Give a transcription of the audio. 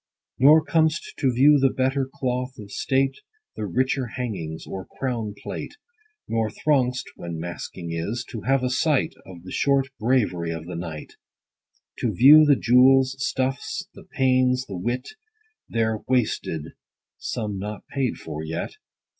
Nor com'st to view the better cloth of state, The richer hangings, or crown plate ; Nor throng'st (when masquing is) to have a sight Of the short bravery of the night ; To view the jewels, stuffs, the pains, the wit There wasted, some not paid for yet